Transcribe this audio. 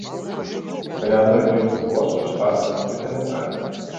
Каля адной трэці плошчы штата пакрыта лясамі.